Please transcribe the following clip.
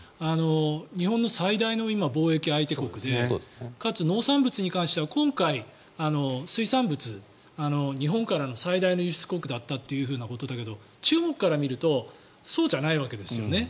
日本の最大の今、貿易相手国でかつ、農産物に関しては今回、水産物日本からの最大の輸出国だったということだけど中国から見るとそうじゃないわけですよね。